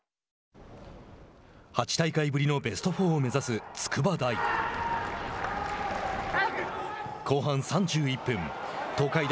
８大会ぶりのベスト４を目指す筑波大。